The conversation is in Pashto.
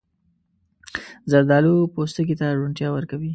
زردالو پوستکي ته روڼتیا ورکوي.